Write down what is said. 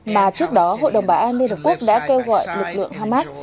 mà trước đó hội đồng báo án liên hợp quốc đã kêu gọi lực lượng hamas